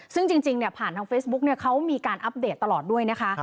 ซึ่งจริงเนี่ยผ่านทางเฟซบุ๊กเขามีการอัปเดตตลอดด้วยนะคะ